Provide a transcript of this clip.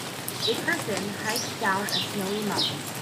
A person hikes down a snowy mountain.